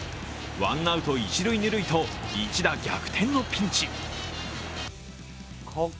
ワンアウト一・二塁と一打逆転のピンチ。